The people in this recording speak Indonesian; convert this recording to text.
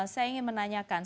saya ingin menanyakan